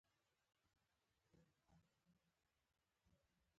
د ټکنالوجۍ پرمختګ بېپای دی.